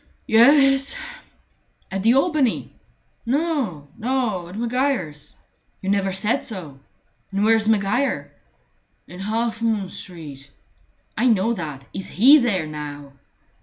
"Ye e es." "At the Albany?" "No, no; at Maguire's." "You never said so. And where's Maguire?" "In Half moon Street." "I know that. Is he there now?"